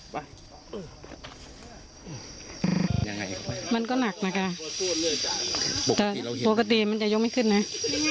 ไปมันก็หนักนะคะปกติมันจะยกไม่ขึ้นอืม